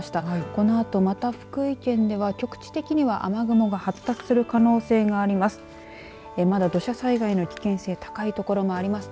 このあとまた福井県では局地的には雨雲が発達する可能性があります。